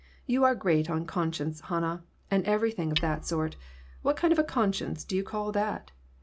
You are great on conscience, Hannah, and every thing of that sort. What kind of a conscience do you call that